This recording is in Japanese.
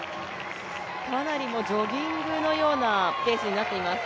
かなりジョギングのようなペースになっています。